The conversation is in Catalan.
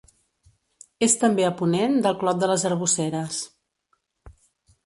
És també a ponent del Clot de les Arboceres.